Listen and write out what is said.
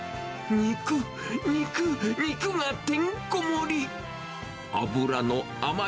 肉、肉、肉がてんこ盛り。